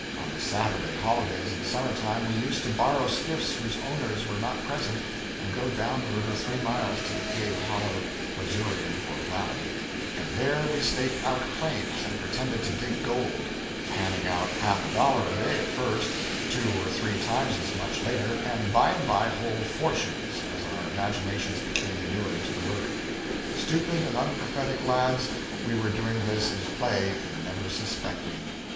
On the Saturday holidays in summer time we used to borrow skiffs whose owners were not present and go down the river three miles to the cave hollow (Missourian for "valley"), and there we staked out claims and pretended to dig gold, panning out half a dollar a day at first; two or three times as much, later, and by and by whole fortunes, as our imaginations became inured to the work. Stupid and unprophetic lads! We were doing this in play and never suspecting.